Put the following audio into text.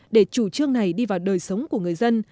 để chủ trương này đi vào đời sống của người dân